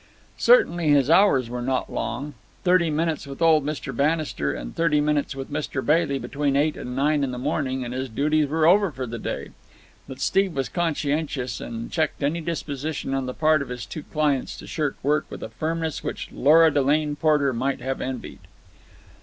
Certainly his hours were not long. Thirty minutes with old Mr. Bannister and thirty minutes with Mr. Bailey between eight and nine in the morning and his duties were over for the day. But Steve was conscientious and checked any disposition on the part of his two clients to shirk work with a firmness which Lora Delane Porter might have envied.